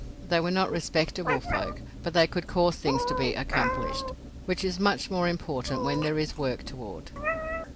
They were not respectable folk, but they could cause things to be accomplished, which is much more important when there is work toward.